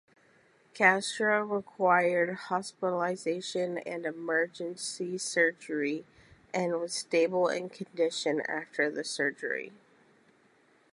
Castro required hospitalization and emergency surgery, and was in stable condition after the surgery.